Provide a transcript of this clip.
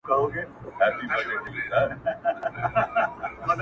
دا هوښیاري نه غواړم” عقل ناباب راکه”